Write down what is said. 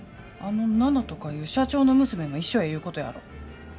あの奈々とかいう社長の娘も一緒やいうことやろ？